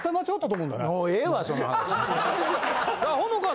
もうええわその話。